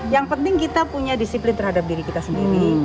yang penting kita punya disiplin terhadap diri kita sendiri